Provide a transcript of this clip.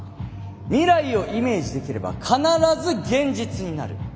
未来をイメージできれば必ず現実になる。